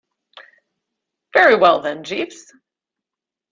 Very well, then, Jeeves.